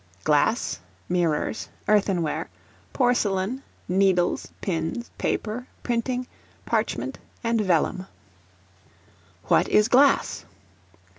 GLASS, MIRRORS, EARTHENWARE, PORCELAIN, NEEDLES, PINS, PAPER, PRINTING, PARCHMENT, AND VELLUM. What is Glass?